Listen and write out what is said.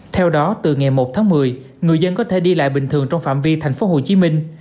theo đó từ ngày một tháng một mươi người dân có thể đi lại bình thường trong phạm vi thành phố hồ chí minh